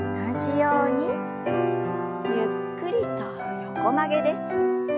ゆっくりと横曲げです。